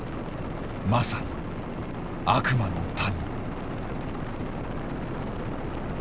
まさに悪魔の谷。